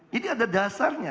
jadi ada dasarnya